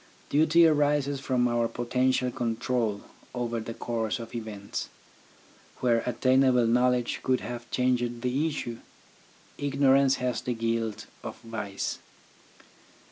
Duty arises from our potential control over the course of events. Where attainable knowledge could have changed the issue, ignorance has the guilt of vice.